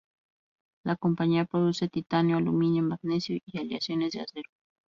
La compañía produce titanio, aluminio, magnesio y aleaciones de acero.